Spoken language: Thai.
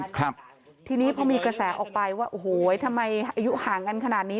ครับทีนี้พอมีกระแสออกไปว่าโอ้โหทำไมอายุห่างกันขนาดนี้